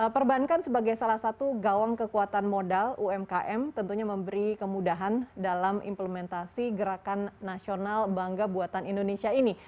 perbankan sebagai salah satu gawang kekuatan modal umkm tentunya memberi kemudahan dalam implementasi gerakan nasional bangga buatan indonesia ini